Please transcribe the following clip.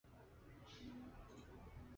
现为北京大学力学与工程科学系教授。